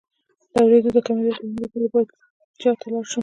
د اوریدو د کمیدو د دوام لپاره باید چا ته لاړ شم؟